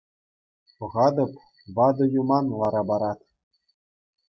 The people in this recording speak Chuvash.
Пӑхатӑп — ватӑ юман лара парать.